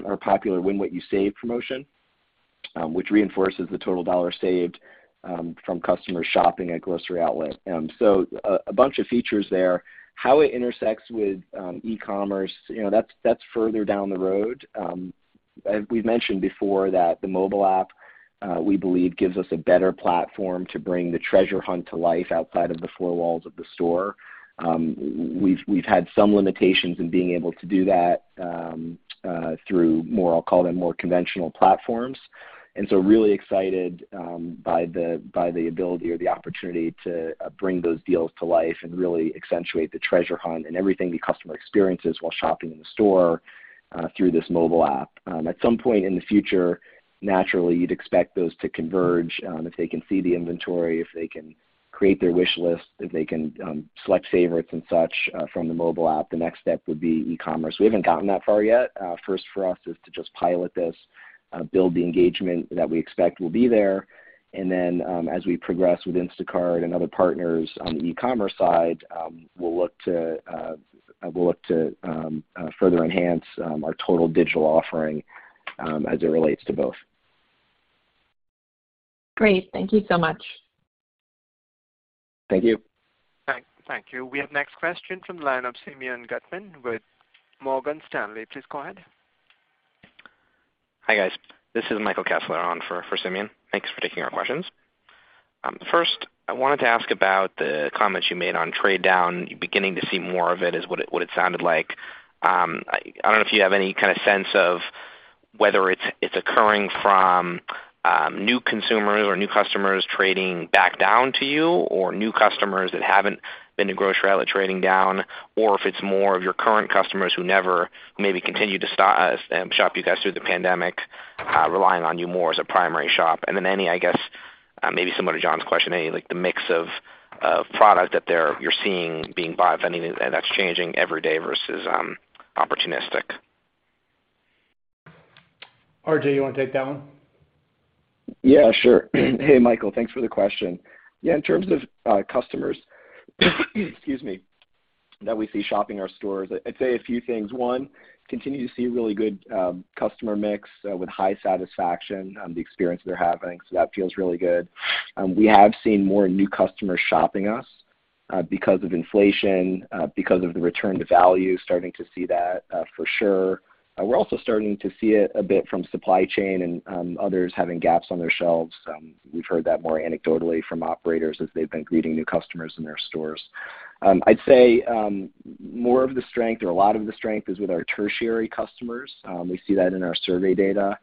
our popular Win What You Save promotion, which reinforces the total dollar saved from customers shopping at Grocery Outlet. A bunch of features there. How it intersects with e-commerce that's further down the road. We've mentioned before that the mobile app we believe gives us a better platform to bring the treasure hunt to life outside of the four walls of the store. We've had some limitations in being able to do that through more, I'll call them, more conventional platforms. Really excited by the ability or the opportunity to bring those deals to life and really accentuate the treasure hunt and everything the customer experiences while shopping in the store through this mobile app. At some point in the future, naturally you'd expect those to converge, if they can see the inventory, if they can create their wish list, if they can select favorites and such, from the mobile app, the next step would be e-commerce. We haven't gotten that far yet. First for us is to just pilot this, build the engagement that we expect will be there. Then, as we progress with Instacart and other partners on the e-commerce side, we'll look to further enhance our total digital offering, as it relates to both. Great. Thank you so much. Thank you. Thank you. We have next question from the line of Simeon Gutman with Morgan Stanley. Please go ahead. Hi, guys. This is Michael Kessler on for Simeon. Thanks for taking our questions. First, I wanted to ask about the comments you made on trade down. You're beginning to see more of it is what it sounded like. I don't know if you have any kind of sense of whether it's occurring from new consumers or new customers trading back down to you or new customers that haven't been to Grocery Outlet trading down or if it's more of your current customers who never maybe continued to shop you guys through the pandemic, relying on you more as a primary shop. Then any, I guess, maybe similar to John's question, any, like, the mix of product that you're seeing being bought, if any, and that's changing every day versus opportunistic. RJ, you wanna take that one? Yeah, sure. Hey, Michael, thanks for the question. Yeah, in terms of customers, excuse me, that we see shopping our stores, I'd say a few things. One, continue to see really good customer mix with high satisfaction on the experience they're having, so that feels really good. We have seen more new customers shopping us because of inflation because of the return to value, starting to see that for sure. We're also starting to see it a bit from supply chain and others having gaps on their shelves. We've heard that more anecdotally from operators as they've been greeting new customers in their stores. I'd say more of the strength or a lot of the strength is with our tertiary customers. We see that in our survey data.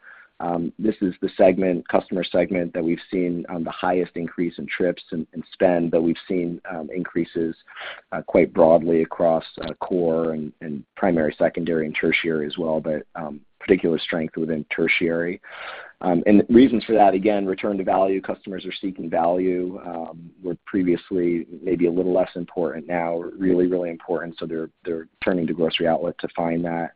This is the segment, customer segment that we've seen on the highest increase in trips and spend, but we've seen increases quite broadly across core and primary, secondary and tertiary as well, but particular strength within tertiary. The reasons for that, again, return to value. Customers are seeking value were previously maybe a little less important, now really, really important, so they're turning to Grocery Outlet to find that.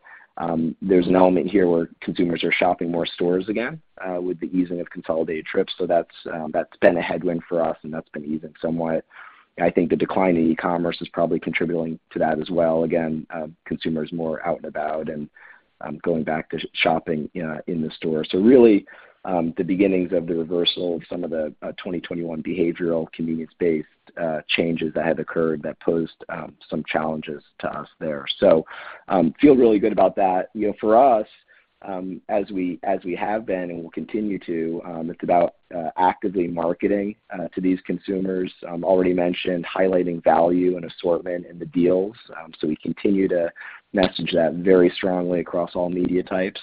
There's an element here where consumers are shopping more stores again with the easing of consolidated trips. That's been a headwind for us, and that's been even somewhat. I think the decline in e-commerce is probably contributing to that as well. Again, consumers more out and about and going back to shopping in the store. Really, the beginnings of the reversal of some of the 2021 behavioral convenience-based changes that had occurred that posed some challenges to us there. Feel really good about that. You know, for us, as we have been and will continue to, it's about actively marketing to these consumers. Already mentioned highlighting value and assortment in the deals, so we continue to message that very strongly across all media types.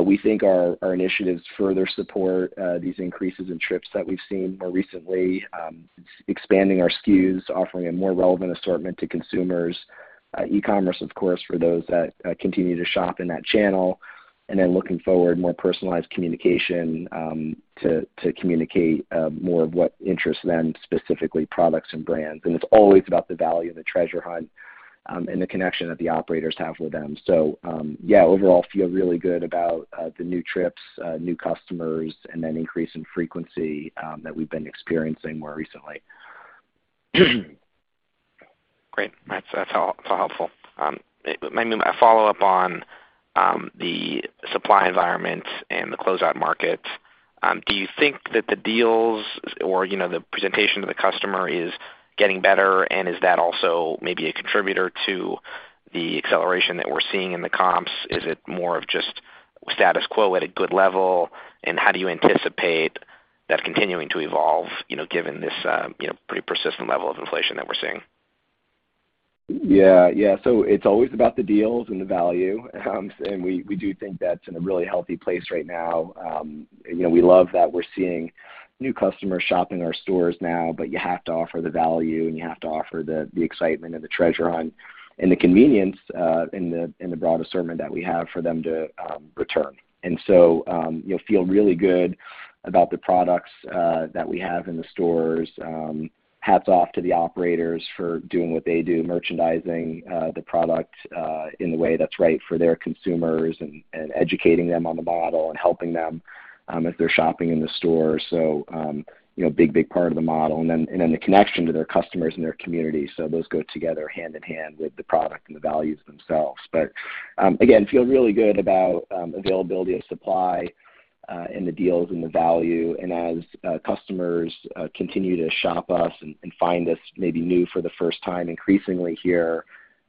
We think our initiatives further support these increases in trips that we've seen more recently, expanding our SKUs, offering a more relevant assortment to consumers. E-commerce of course, for those that continue to shop in that channel. Looking forward, more personalized communication to communicate more of what interests them, specifically products and brands. It's always about the value of the treasure hunt, and the connection that the operators have with them. Yeah, overall feel really good about the new trips, new customers, and that increase in frequency that we've been experiencing more recently. Great. That's all, so helpful. Maybe a follow-up on the supply environment and the closeout market. Do you think that the deals or the presentation to the customer is getting better, and is that also maybe a contributor to the acceleration that we're seeing in the comps? Is it more of just status quo at a good level? How do you anticipate that continuing to evolve given this pretty persistent level of inflation that we're seeing? Yeah. It's always about the deals and the value. We do think that's in a really healthy place right now. You know, we love that we're seeing new customers shopping our stores now, but you have to offer the value, and you have to offer the excitement of the treasure hunt and the convenience in the broad assortment that we have for them to return. You know, feel really good about the products that we have in the stores. Hats off to the operators for doing what they do, merchandising the product in a way that's right for their consumers and educating them on the model and helping them if they're shopping in the store. You know, big part of the model. Then the connection to their customers and their communities. Those go together hand in hand with the product and the values themselves. Again, feel really good about availability of supply and the deals and the value. As customers continue to shop us and find us maybe new for the first time increasingly here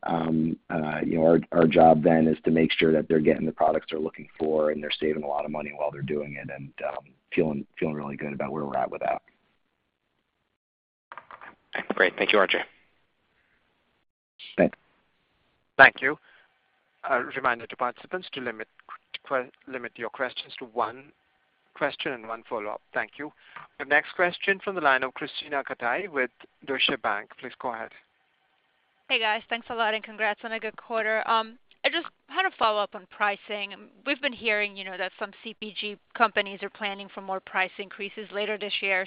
our job then is to make sure that they're getting the products they're looking for, and they're saving a lot of money while they're doing it and feeling really good about where we're at with that. Great. Thank you, RJ. Thanks. Thank you. A reminder to participants to limit your questions to one question and one follow-up. Thank you. The next question from the line of Krisztina Katai with Deutsche Bank. Please go ahead. Hey, guys. Thanks a lot and congrats on a good quarter. I just had a follow-up on pricing. We've been hearing that some CPG companies are planning for more price increases later this year.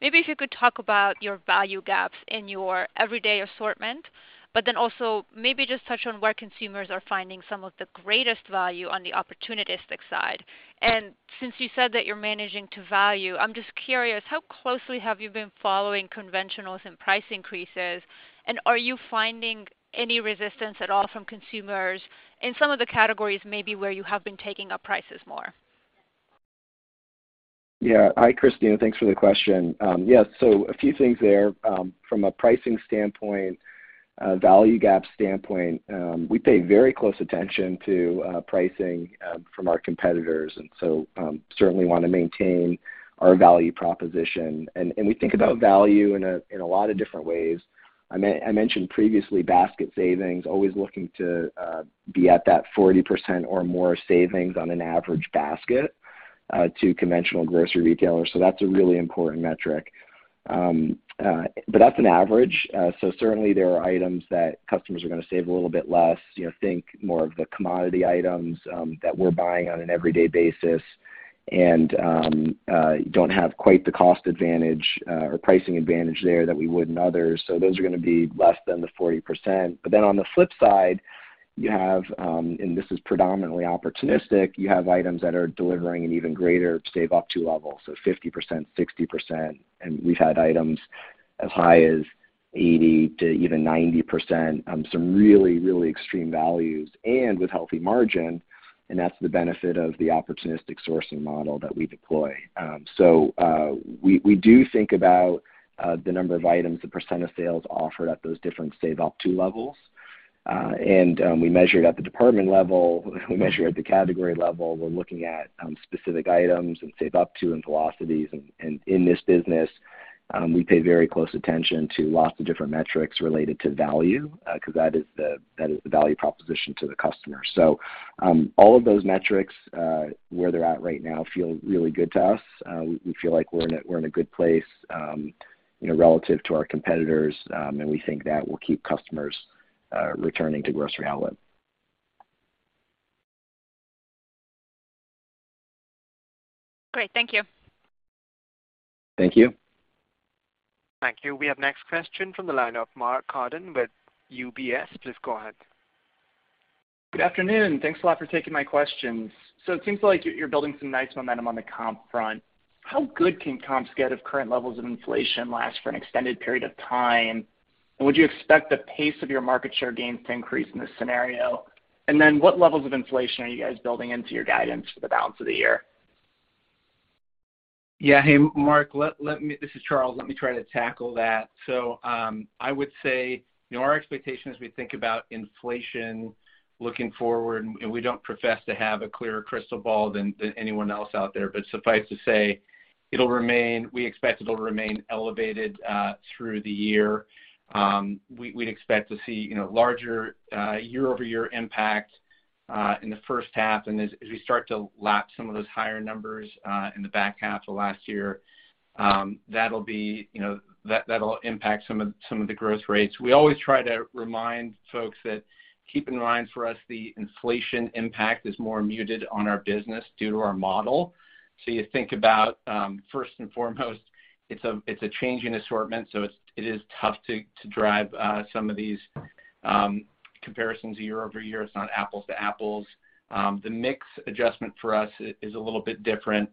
Maybe if you could talk about your value gaps in your everyday assortment, but then also maybe just touch on where consumers are finding some of the greatest value on the opportunistic side. Since you said that you're managing to value, I'm just curious, how closely have you been following conventionals and price increases, and are you finding any resistance at all from consumers in some of the categories maybe where you have been taking up prices more? Yeah. Hi, Krisztina. Thanks for the question. Yeah, a few things there. From a pricing standpoint, value gap standpoint, we pay very close attention to pricing from our competitors, and so certainly wanna maintain our value proposition. We think about value in a lot of different ways. I mentioned previously basket savings, always looking to be at that 40% or more savings on an average basket to conventional grocery retailers, so that's a really important metric. But that's an average. Certainly there are items that customers are gonna save a little bit less think more of the commodity items that we're buying on an everyday basis. Don't have quite the cost advantage or pricing advantage there that we would in others. Those are gonna be less than the 40%. On the flip side, you have, and this is predominantly opportunistic, you have items that are delivering an even greater save up to level, so 50%, 60%. We've had items as high as 80% to even 90%, some really, really extreme values and with healthy margin, and that's the benefit of the opportunistic sourcing model that we deploy. We do think about the number of items, the percent of sales offered at those different save up to levels. We measure it at the department level. We measure at the category level. We're looking at specific items and save up to and velocities. In this business, we pay very close attention to lots of different metrics related to value, because that is the value proposition to the customer. All of those metrics, where they're at right now feel really good to us. We feel like we're in a good place relative to our competitors, and we think that will keep customers returning to Grocery Outlet. Great. Thank you. Thank you. Thank you. We have next question from the line of Mark Carden with UBS. Please go ahead. Good afternoon. Thanks a lot for taking my questions. It seems like you're building some nice momentum on the comp front. How good can comps get if current levels of inflation last for an extended period of time? Would you expect the pace of your market share gains to increase in this scenario? What levels of inflation are you guys building into your guidance for the balance of the year? Yeah. Hey, Mark. This is Charles. Let me try to tackle that. I would say our expectation as we think about inflation looking forward, and we don't profess to have a clearer crystal ball than anyone else out there, but suffice to say, it'll remain elevated through the year. We'd expect to see larger year-over-year impact in the first half. As we start to lap some of those higher numbers in the back half of last year, that'll impact some of the growth rates. We always try to remind folks to keep in mind for us, the inflation impact is more muted on our business due to our model. You think about, first and foremost, it's a change in assortment. It's tough to drive some of these comparisons year-over-year. It's not apples to apples. The mix adjustment for us is a little bit different.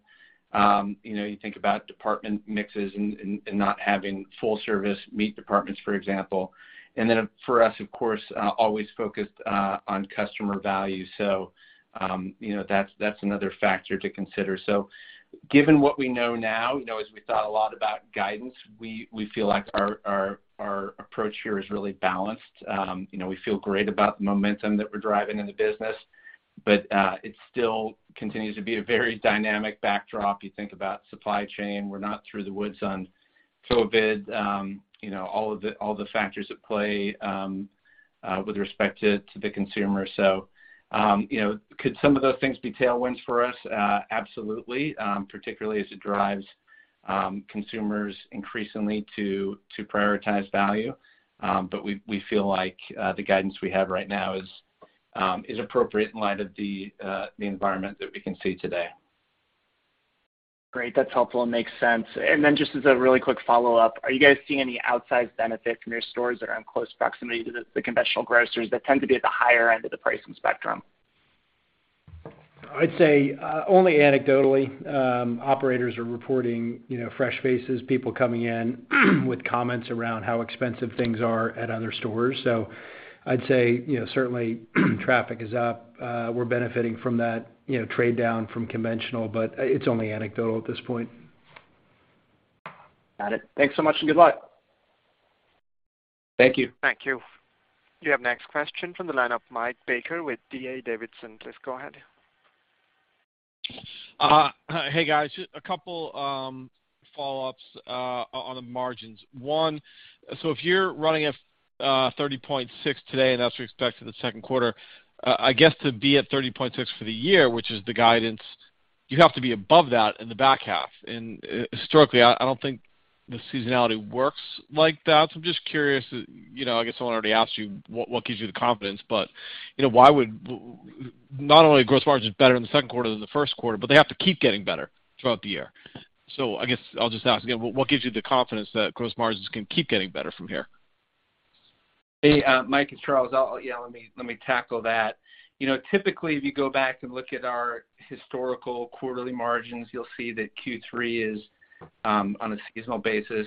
You know, you think about department mixes and not having full service meat departments, for example. Then for us, of course, always focused on customer value. You know, that's another factor to consider. Given what we know now as we thought a lot about guidance, we feel like our approach here is really balanced. You know, we feel great about the momentum that we're driving in the business, but it still continues to be a very dynamic backdrop. You think about supply chain, we're not through the woods on COVID. You know, all the factors at play, with respect to the consumer. You know, could some of those things be tailwinds for us? Absolutely, particularly as it drives consumers increasingly to prioritize value. We feel like the guidance we have right now is appropriate in light of the environment that we can see today. Great. That's helpful and makes sense. Just as a really quick follow-up, are you guys seeing any outsized benefit from your stores that are in close proximity to the conventional grocers that tend to be at the higher end of the pricing spectrum? I'd say only anecdotally operators are reporting fresh faces, people coming in with comments around how expensive things are at other stores. I'd say certainly traffic is up. We're benefiting from that trade down from conventional, but it's only anecdotal at this point. Got it. Thanks so much, and good luck. Thank you. Thank you. You have next question from the line of Mike Baker with D.A. Davidson. Please go ahead. Hi. Hey, guys. Just a couple follow-ups on the margins. One, so if you're running at 30.6% today, and that's what you expect for the second quarter, I guess to be at 30.6% for the year, which is the guidance, you have to be above that in the back half. Historically, I don't think the seasonality works like that. I'm just curious I guess someone already asked you what gives you the confidence, but why would not only gross margins better in the second quarter than the first quarter, but they have to keep getting better throughout the year. I guess I'll just ask again, what gives you the confidence that gross margins can keep getting better from here? Hey, Mike, it's Charles. Let me tackle that. You know, typically, if you go back and look at our historical quarterly margins, you'll see that Q3 is, on a seasonal basis,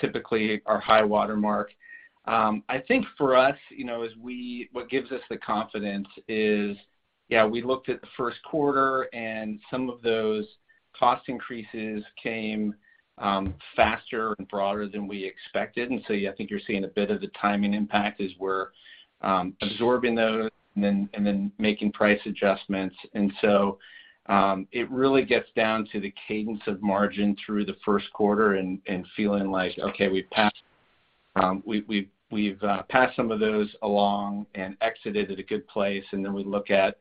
typically our high watermark. I think for us what gives us the confidence is, yeah, we looked at the first quarter and some of those cost increases came faster and broader than we expected. I think you're seeing a bit of the timing impact as we're absorbing those and then making price adjustments. It really gets down to the cadence of margin through the first quarter and feeling like, okay, we've passed some of those along and exited at a good place. We look at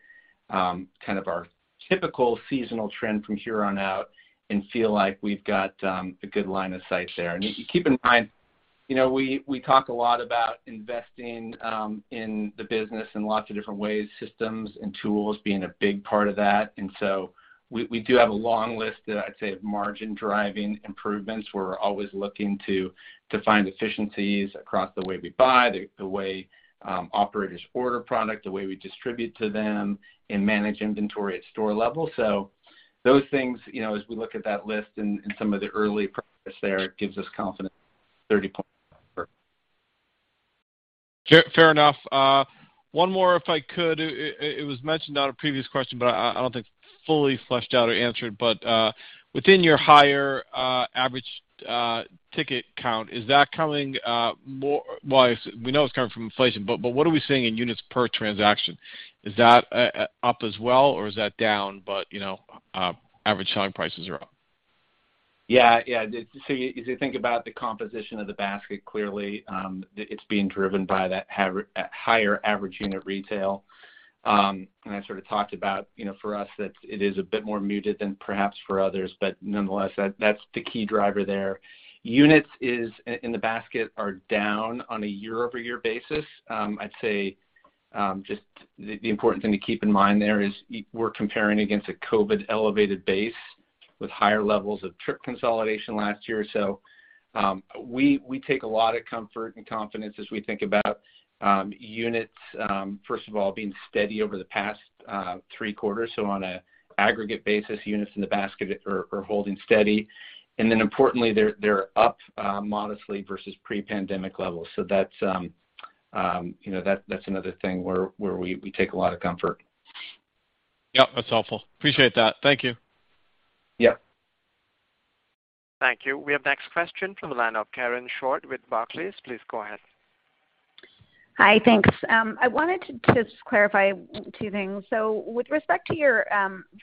kind of our typical seasonal trend from here on out and feel like we've got a good line of sight there. If you keep in mind we talk a lot about investing in the business in lots of different ways, systems and tools being a big part of that. We do have a long list that I'd say of margin-driving improvements. We're always looking to find efficiencies across the way we buy, the way operators order product, the way we distribute to them and manage inventory at store level. Those things as we look at that list and some of the early progress there, it gives us confidence 30 point. Fair enough. One more if I could. It was mentioned on a previous question, but I don't think fully fleshed out or answered. Within your higher average ticket count, is that coming, we know it's coming from inflation, but what are we seeing in units per transaction? Is that up as well or is that down but average selling prices are up? Yeah. As you think about the composition of the basket, clearly, it's being driven by that higher average unit retail. I sort of talked about for us that it is a bit more muted than perhaps for others. Nonetheless, that's the key driver there. Units in the basket are down on a year-over-year basis. I'd say, just the important thing to keep in mind there is we're comparing against a COVID elevated base with higher levels of trip consolidation last year. We take a lot of comfort and confidence as we think about units, first of all, being steady over the past three quarters. On an aggregate basis, units in the basket are holding steady. Importantly, they're up modestly versus pre-pandemic levels. That's that's another thing where we take a lot of comfort. Yep, that's helpful. Appreciate that. Thank you. Yep. Thank you. We have next question from the line of Karen Short with Barclays. Please go ahead. Hi. Thanks. I wanted to just clarify two things. With respect to your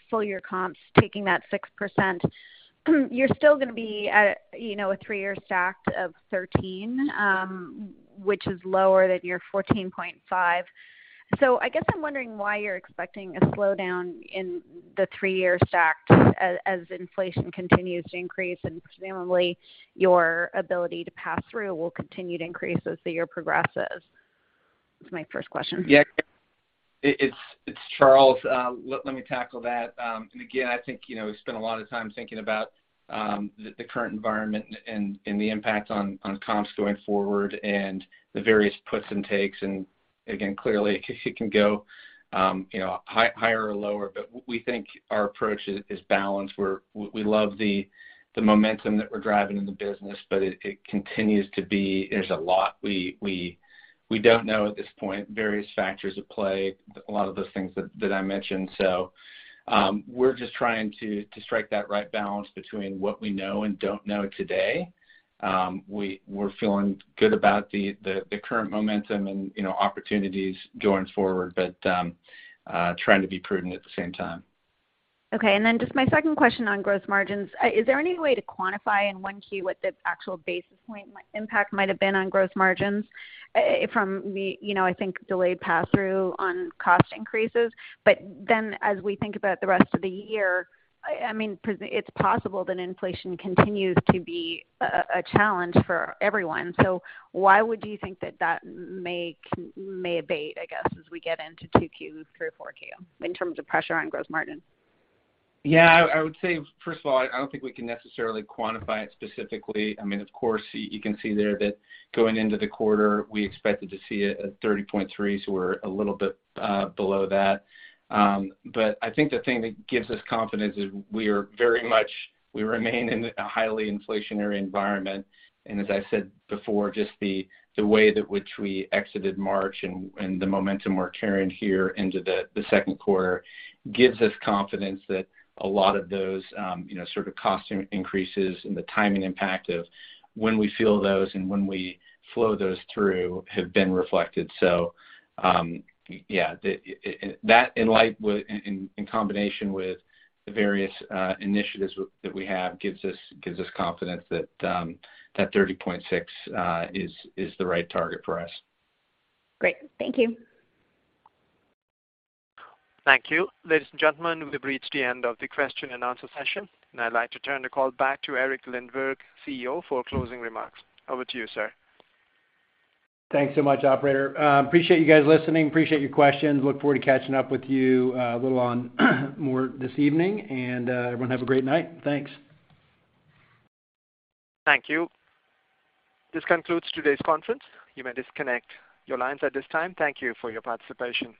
full year comps, taking that 6%, you're still gonna be at a three-year stacked of 13, which is lower than your 14.5. I guess I'm wondering why you're expecting a slowdown in the three-year stacked as inflation continues to increase and presumably your ability to pass through will continue to increase as the year progresses. That's my first question. Yeah. It's Charles. Let me tackle that. Again, I think we spend a lot of time thinking about the current environment and the impact on comps going forward and the various puts and takes. Again, clearly, it can go higher or lower, but we think our approach is balanced where we love the momentum that we're driving in the business, but it continues to be. There's a lot we don't know at this point, various factors at play, a lot of those things that I mentioned. We're just trying to strike that right balance between what we know and don't know today. We're feeling good about the current momentum and opportunities going forward, but trying to be prudent at the same time. Okay. Then just my second question on gross margins. Is there any way to quantify in 1Q what the actual basis point impact might have been on gross margins from the I think delayed pass-through on cost increases? Then as we think about the rest of the year, I mean, it's possible that inflation continues to be a challenge for everyone. Why would you think that may abate, I guess, as we get into 2Q through 4Q in terms of pressure on gross margin? Yeah, I would say, first of all, I don't think we can necessarily quantify it specifically. I mean, of course, you can see there that going into the quarter, we expected to see a 30.3, so we're a little bit below that. But I think the thing that gives us confidence is we are very much, we remain in a highly inflationary environment. As I said before, just the way in which we exited March and the momentum we're carrying here into the second quarter gives us confidence that a lot of those sort of cost increases and the timing impact of when we feel those and when we flow those through have been reflected. that in combination with the various initiatives that we have gives us confidence that 30.6 is the right target for us. Great. Thank you. Thank you. Ladies and gentlemen, we've reached the end of the question and answer session, and I'd like to turn the call back to Eric Lindberg, CEO, for closing remarks. Over to you, sir. Thanks so much, operator. Appreciate you guys listening. Appreciate your questions. Look forward to catching up with you, a little on more this evening. Everyone have a great night. Thanks. Thank you. This concludes today's conference. You may disconnect your lines at this time. Thank you for your participation.